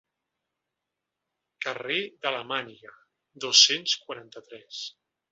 Carrer de la màniga, dos-cents quaranta-tres.